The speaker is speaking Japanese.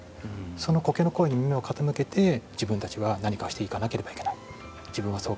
その苔の声に耳を傾けて自分たちは何かをしていかなければいけない。